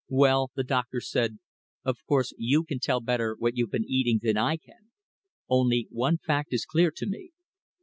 "Well," the doctor said, "of course you can tell better what you've been eating than I can. Only one fact is clear to me."